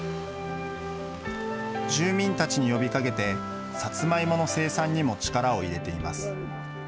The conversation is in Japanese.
住民たちに呼びかけて、サツマイモの生産にも力を入れています。